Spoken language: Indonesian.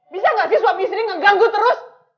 bisa gak sih suami istri mengganggu terus